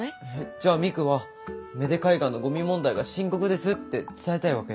じゃミクは芽出海岸のゴミ問題が深刻ですって伝えたいわけ？